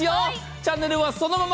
チャンネルはそのまま。